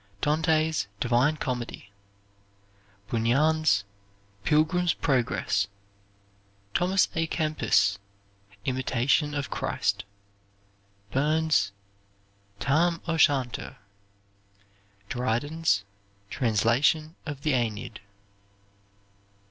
Dante's "Divine Comedy." Bunyan's "Pilgrim's Progress." Thomas Á. Kempis' "Imitation of Christ." Burns's "Tam O'Shanter." Dryden's "Translation of the Aeneid."